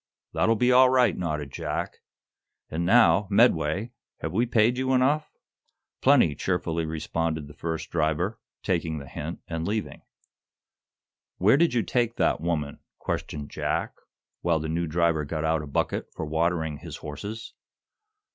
"That'll be all right," nodded Jack. "And now, Medway, have we paid you enough?" "Plenty," cheerfully responded the first driver, taking the hint and leaving. "Where did you take that woman?" questioned Jack, while the new driver got out a bucket for watering his horses.